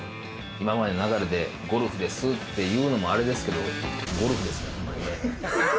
今までの流れでゴルフですって言うのもあれですけど、ゴルフですね、やっぱり。